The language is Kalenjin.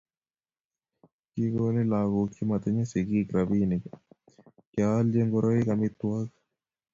kigoni lagook chematinyei sigiik robinik, keolchi ngoroik, amitwogik